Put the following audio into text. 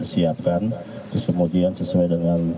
siapkan terus kemudian sesuai dengan